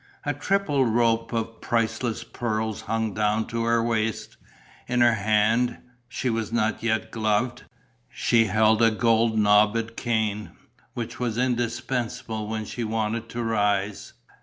A triple rope of priceless pearls hung down to her waist. In her hand she was not yet gloved she held a gold knobbed cane, which was indispensable when she wanted to rise.